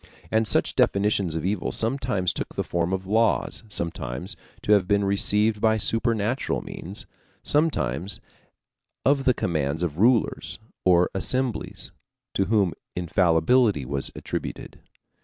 And such definitions of evil sometimes took the form of laws, supposed to have been received by supernatural means, sometimes of the commands of rulers or assemblies to whom infallibility was attributed.